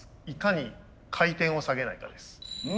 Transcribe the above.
いかに回転を下げないかです。